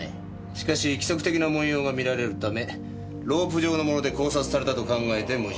しかし規則的な文様が見られるためロープ状のもので絞殺されたと考えて矛盾はない。